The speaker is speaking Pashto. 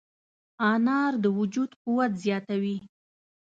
انار د وجود قوت زیاتوي.